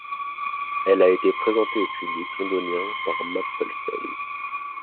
Elle a été présentée au public londonien par Mapleson.